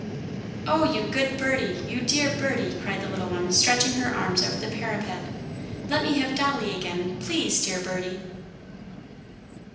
"Oh, you good birdie! you dear birdie!" cried the little one, stretching her arms over the parapet. "Let me have Dolly again, please, dear birdie!"